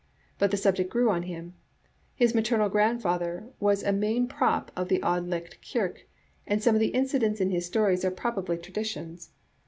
But the subject grew on him. His maternal grandfather was a main prop of the Auld Licht kirk, and some of the incidents in his stories are prob ably traditions.